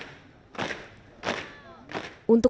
untuk penurunan tim merah menunggu